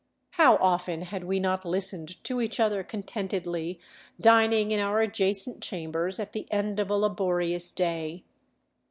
How often had we not listened to each other con tentedly dining in our adjacent chambers at the end of a laborious day?